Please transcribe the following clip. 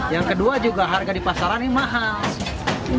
yang kedua juga harga di pasaran ini mahal